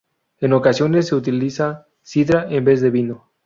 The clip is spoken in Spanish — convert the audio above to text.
En ocasiones se utiliza sidra en vez de vino.